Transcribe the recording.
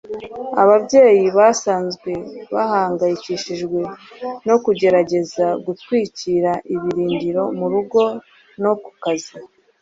Ababyeyi basanzwe bahangayikishijwe no kugerageza gutwikira ibirindiro murugo no kukazi